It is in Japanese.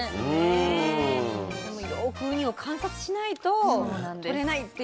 でもよくウニを観察しないととれないっていう。